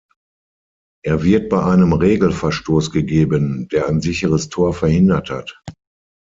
Er wird bei einem Regelverstoß gegeben, der ein sicheres Tor verhindert hat.